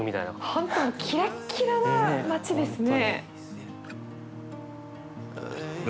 本当もうキラッキラな街ですね。